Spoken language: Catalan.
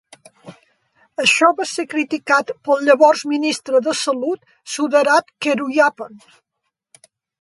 Això va ser criticat pel llavors ministre de Salut, Sudarat Keyuraphan.